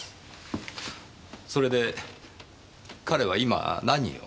それで彼は今何を？